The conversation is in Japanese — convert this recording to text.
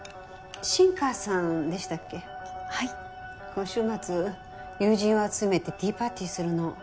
今週末友人を集めてティーパーティーするの。